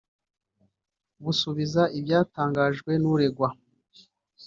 Busubiza ibyatangajwe n’uregwa